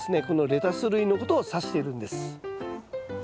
このレタス類のことを指しているんです。